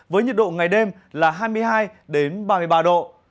với nhiệt độ ngày đêm là hai mươi hai ba mươi ba độ